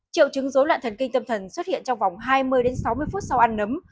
triệu chứng dối loạn thần kinh tâm thần xuất hiện trong vòng hai mươi sáu mươi phút sau ăn nấm